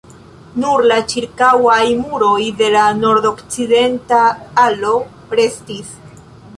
Nur la ĉirkaŭaj muroj de la nordokcidenta alo restis.